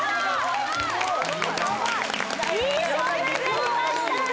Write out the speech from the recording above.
すごいいい勝負になりました